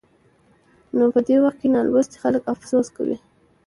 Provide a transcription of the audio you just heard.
نو په دې وخت کې نالوستي خلک افسوس کوي.